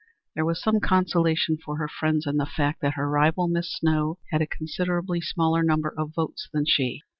There was some consolation for her friends in the fact that her rival, Miss Snow, had a considerably smaller number of votes than she.